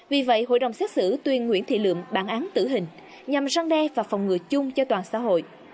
vì vậy hội đồng xét xử tuyên nguyễn thị lượm bản án tử hình nhằm răng đe và phòng ngừa chung cho toàn xã hội